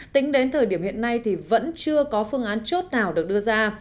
tính đến thời điểm hiện nay thì vẫn chưa có phương án chốt nào được đưa ra